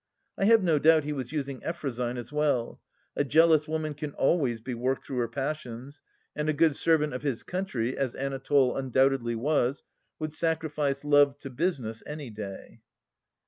I have no doubt he was using Effrosyne as well ; a jealous woman can always be worked through her passions, and a good servant of his coimtry, as Anatole undoubtedly was, would sacrifice Love to business any day.